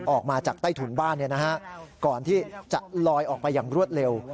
ออกมาจากใต้ถุนบ้านก่อนที่จะลอยออกไปอย่างรวดเร็ว